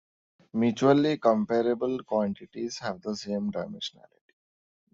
Mutually comparable quantities have the same dimensionality.